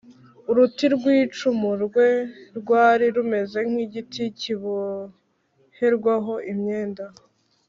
Uruti rw’icumu rye rwari rumeze nk’igiti kiboherwaho imyenda